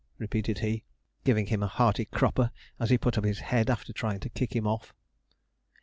repeated he, giving him a hearty cropper as he put up his head after trying to kick him off.